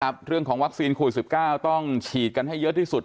เรื่องของวัคซีนโควิด๑๙ต้องฉีดกันให้เยอะที่สุด